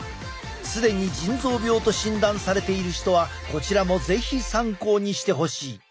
既に腎臓病と診断されている人はこちらも是非参考にしてほしい。